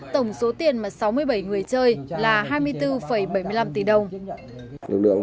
tổng số tiền mà sáu mươi bảy người chơi là hai mươi bốn bảy mươi năm tỷ đồng